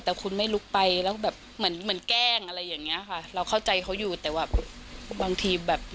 เป็นการแก้ปัญหาที่ถูกต้องไหม